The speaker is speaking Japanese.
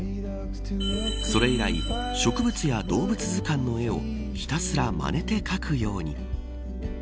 それ以来、植物や動物図鑑の絵をひたすら、まねて描くように。